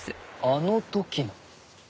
あの時の。